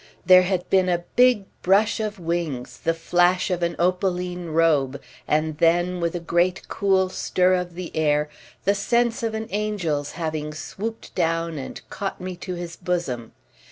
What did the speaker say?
There had been a big brush of wings, the flash of an opaline robe, and then, with a great cool stir of the air, the sense of an angel's having swooped down and caught me to his bosom.